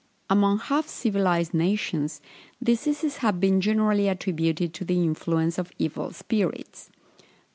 Amongst half civilized nations, diseases have been generally attributed to the influence of evil spirits.